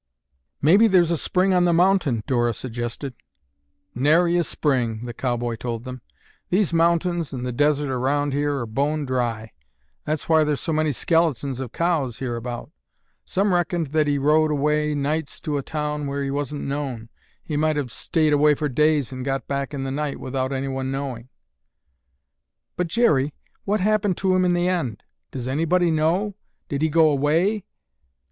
"Maybe there's a spring on the mountain," Dora suggested. "Nary a spring," the cowboy told them. "These mountains and the desert around here are bone dry. That's why there's so many skeletons of cows hereabout. Some reckoned that he rode away nights to a town where he wasn't known. He might have stayed away for days and got back in the night without anyone knowing." "But, Jerry, what happened to him in the end? Does anybody know? Did he go away?"